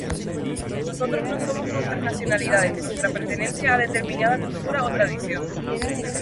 Nosotros no somos nuestras nacionalidades, nuestra pertenencia a determinada cultura o tradición.